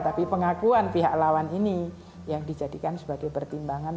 tapi pengakuan pihak lawan ini yang dijadikan sebagai pertimbangan